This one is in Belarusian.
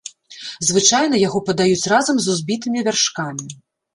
Звычайна яго падаюць разам з узбітымі вяршкамі.